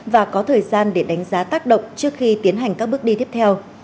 và có thời gian để đánh giá tác động trước khi tiến hành các bước đi tiếp theo